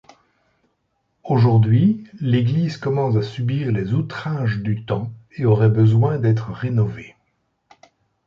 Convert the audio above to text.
Aujourd’hui, l’église commence à subir les outrages du temps et aurait besoin d’être rénovée.